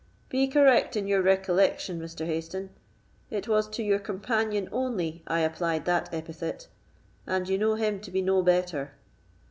"Be correct in your recollection, Mr. Hayston; it was to your companion only I applied that epithet, and you know him to be no better."